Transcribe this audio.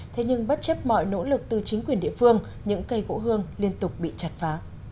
thế nhưng bất chấp mọi nỗ lực từ chính quyền địa phương những cây gỗ hương liên tục bị chặt phá